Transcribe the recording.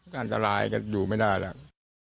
ก็อันตรายก็อยู่ไม่ได้แล้ว